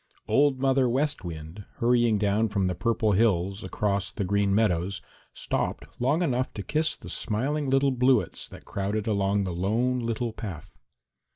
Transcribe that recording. Old Mother West Wind, hurrying down from the Purple Hills across the Green Meadows, stopped long enough to kiss the smiling little bluets that crowded along the Lone Little Path.